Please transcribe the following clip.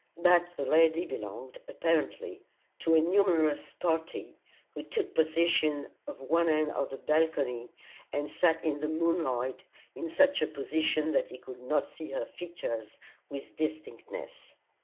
But the lady belonged, apparently, to a numerous party, who took possession of one end of the balcony and sat in the moonlight, in such a position that he could not see her features with distinctness.